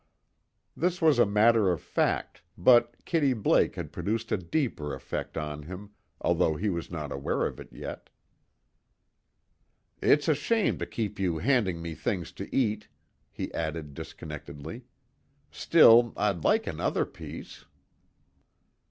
This was a matter of fact, but Kitty Blake had produced a deeper effect on him, although he was not aware of it yet. "It's a shame to keep you handing me things to eat," he added disconnectedly. "Still, I'd like another piece."